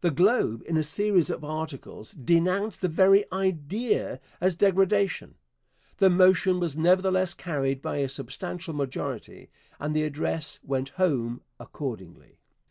The Globe, in a series of articles, denounced the 'very idea as degradation.' The motion was nevertheless carried by a substantial majority, and the address went home accordingly.